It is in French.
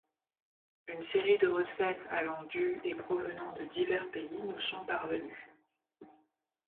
Une série de recettes allant du et provenant de divers pays nous sont parvenues.